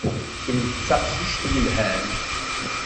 Kemm d taqcict yelhan.